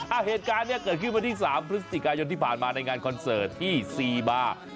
เหตุการณ์เนี้ยเกิดขึ้นวันที่สามพฤศจิกายนที่ผ่านมาในงานคอนเสิร์ตที่ซีบาร์